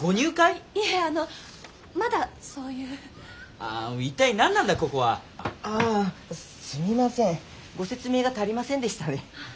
あ一体何なんだここは。ああすみませんご説明が足りませんでしたね。